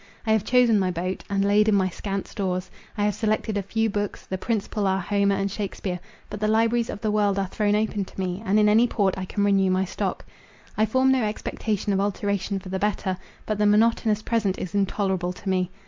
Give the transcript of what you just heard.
I have chosen my boat, and laid in my scant stores. I have selected a few books; the principal are Homer and Shakespeare—But the libraries of the world are thrown open to me—and in any port I can renew my stock. I form no expectation of alteration for the better; but the monotonous present is intolerable to me.